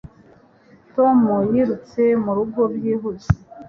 Tom yirutse murugo byihuse